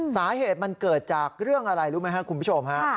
สาเหตุมันเกิดจากเรื่องอะไรรู้ไหมครับคุณผู้ชมฮะ